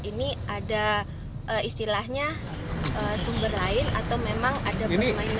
ini ada istilahnya sumber lain atau memang ada permainan